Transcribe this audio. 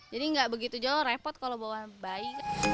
jadi gak begitu jauh repot kalau bawa bayi